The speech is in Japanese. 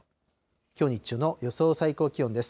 きょう日中の予想最高気温です。